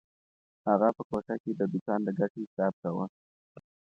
اغا په کوټه کې د دوکان د ګټې حساب کاوه.